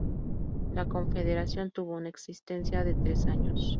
La confederación tuvo una existencia de tres años.